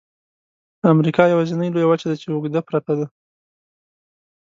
امریکا یوازني لویه وچه ده چې اوږده پرته ده.